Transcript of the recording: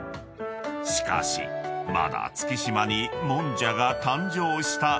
［しかしまだ月島にもんじゃが誕生しただけ］